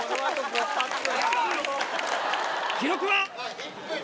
記録は。